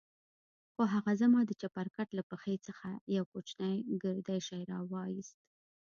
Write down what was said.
خو هغه زما د چپرکټ له پښې څخه يو کوچنى ګردى شى راوايست.